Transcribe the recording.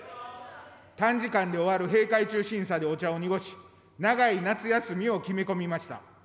短時間で終わる閉会中審査でお茶を濁し、長い夏休みを決め込みました。